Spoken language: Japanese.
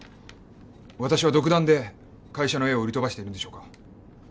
わたしは独断で会社の絵を売り飛ばしているんでしょうか？